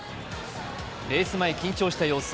レース前、緊張した様子。